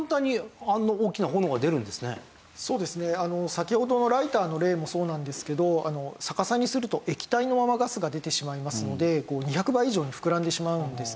先ほどのライターの例もそうなんですけど逆さにすると液体のままガスが出てしまいますので２００倍以上に膨らんでしまうんですね。